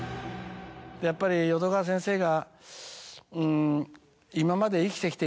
やっぱり淀川先生が。